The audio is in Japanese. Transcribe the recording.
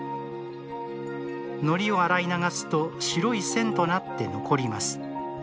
糊を洗い流すと白い線となって残ります。